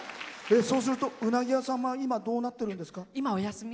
そうすると、うなぎ屋さんは今どうなってるんですか？